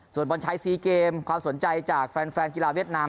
ส่วนบอลชายซีเกมความสนใจจากแฟนกีฬาเวียดนาม